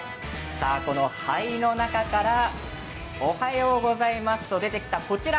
灰の中からおはようございますと出てきたこちら。